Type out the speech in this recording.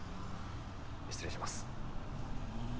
失礼します。